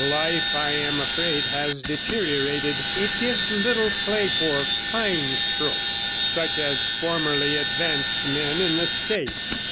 Life, I am afraid, has deteriorated; it gives little play for fine strokes such as formerly advanced men in the state.